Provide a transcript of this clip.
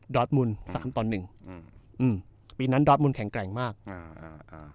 ดอร์ตมูลสามต่อหนึ่งอืมปีนั้นดอร์ตมูลแข็งแกร่งมากอ่า